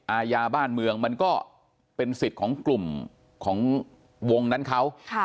อาญาบ้านเมืองมันก็เป็นสิทธิ์ของกลุ่มของวงนั้นเขา